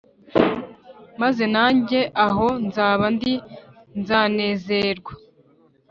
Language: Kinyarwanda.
maze nange aho nzaba ndi nzanezerwa.